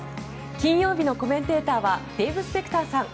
金曜日のコメンテーターはデーブ・スペクターさん。